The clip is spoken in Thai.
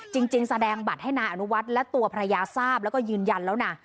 จริงแสดงบัตรให้นายอนุวัฒน์และตัวภรรยาทราบแล้วก็ยืนยันแล้วนะ